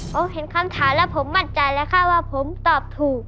ผมเห็นคำถามแล้วผมมั่นใจแล้วค่ะว่าผมตอบถูก